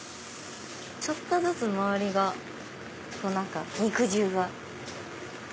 ちょっとずつ周りが肉汁が。